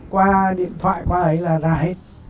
qua điện thoại qua ấy là ra hết